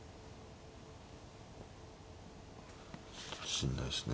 しんどいっすね。